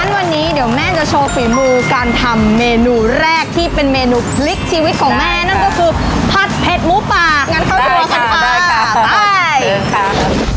วันนี้เดี๋ยวแม่จะโชว์ฝีมือการทำเมนูแรกที่เป็นเมนูพลิกชีวิตของแม่นั่นก็คือผัดเผ็ดหมูปากงั้นเข้าตัวกันค่ะไปค่ะ